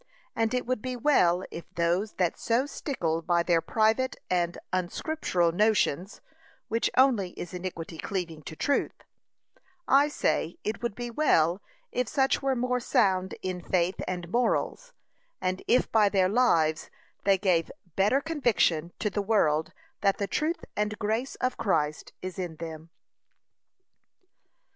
And it would be well if those that so stickle by their private and unscriptural notions, which only is iniquity cleaving to truth, I say, it would be well if such were more sound in faith and morals, and if by their lives they gave better conviction to the world that the truth and grace of Christ is in them.